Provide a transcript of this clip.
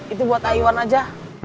itu buat iwan aja